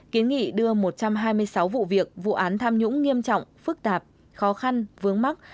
kiến nghị đưa một trăm hai mươi sáu vụ việc vụ án tham nhũng nghiêm trọng phức tạp khó khăn vướng mắt